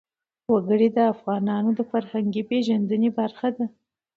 وګړي د افغانانو د فرهنګي پیژندنې برخه ده.